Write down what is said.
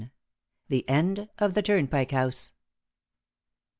THE END OF THE TURNPIKE HOUSE.